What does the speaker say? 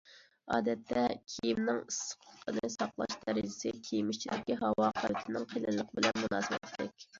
ئادەتتە كىيىمنىڭ ئىسسىقلىقنى ساقلاش دەرىجىسى كىيىم ئىچىدىكى ھاۋا قەۋىتىنىڭ قېلىنلىقى بىلەن مۇناسىۋەتلىك.